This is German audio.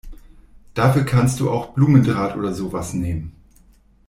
Dafür kannst du auch Blumendraht oder sowas nehmen.